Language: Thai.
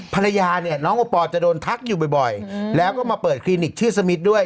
ภรรยาเนี่ยน้องโอปอลจะโดนทักอยู่บ่อยแล้วก็มาเปิดคลินิกชื่อสมิทด้วย